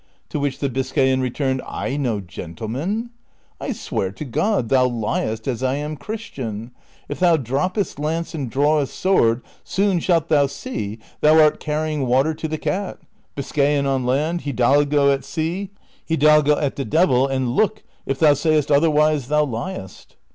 To which the Biscayan returned, " I no gentleman !^— I swear to God thou liest as I am Christian : if thou di'oppest lance and drawest sword, soon shalt thou see thou art car rying water to the cat :^ Biscayan on land, hidalgo at sea, hidalgo at the devil, and look, if thou sayest otherwise thou liest."